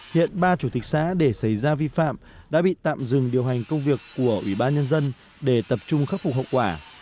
hiện ba chủ tịch xã để xảy ra vi phạm đã bị tạm dừng điều hành công việc của ủy ban nhân dân để tập trung khắc phục hậu quả